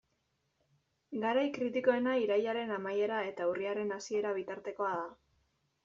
Garai kritikoena irailaren amaiera eta urriaren hasiera bitartekoa da.